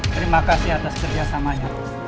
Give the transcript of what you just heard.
terima kasih atas kerjasamanya